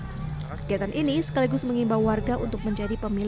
kegiatan ini sekaligus mengimbau warga untuk menjadi pemimpin